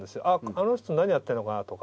あの人何やってんのかなとか。